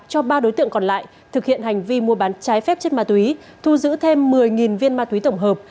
cho ba đối tượng còn lại thực hiện hành vi mua bán trái phép chất ma túy thu giữ thêm một mươi viên ma túy tổng hợp